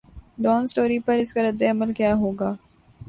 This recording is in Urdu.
ڈان سٹوری پر اس کا ردعمل کیا ہو گا؟